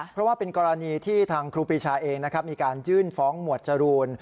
เพราะว่าเป็นกรณีที่ทางครูปีชาเองนะครับมีการยื่นฟ้องหมวดจรูน